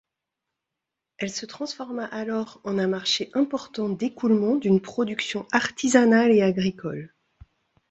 Elle se transforma alors en un marché important d'écoulement d'une production artisanale et agricole.